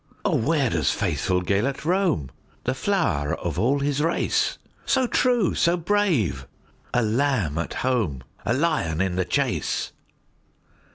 "O, where doth faithful Gêlert roam, The flower of all his race, So true, so brave,—a lamb at home,A lion in the chase?"